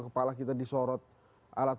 kepala kita disorot alat